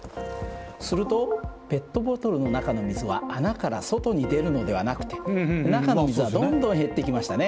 するとペットボトルの中の水は穴から外に出るのではなくて中の水はどんどん減っていきましたね。